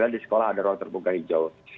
di sekolah ada ruang terbuka hijau